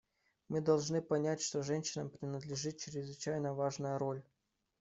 Мы должны понять, что женщинам принадлежит чрезвычайно важная роль.